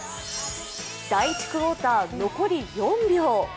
第１クオーター残り４秒。